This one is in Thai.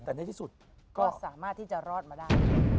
แต่ในที่สุดก็สามารถที่จะรอดมาได้